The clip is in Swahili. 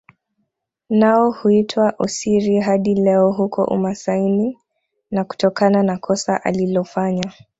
Nao huitwa Osiri hadi leo huko umasaini na kutokana na kosa alilolifanya